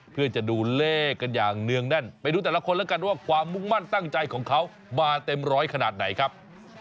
เพื่อจะดูเลขกันอย่างเนื่องแน่นไปดูแต่ละคนแล้วกันว่าความมุ่งมั่นตั้งใจของเขามาเต็มร้อยขนาดไหนครับ